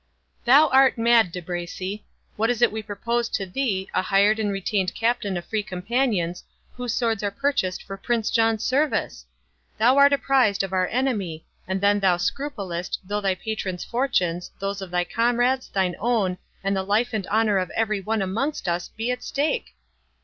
"Thou art mad, De Bracy—what is it we propose to thee, a hired and retained captain of Free Companions, whose swords are purchased for Prince John's service? Thou art apprized of our enemy, and then thou scruplest, though thy patron's fortunes, those of thy comrades, thine own, and the life and honour of every one amongst us, be at stake!"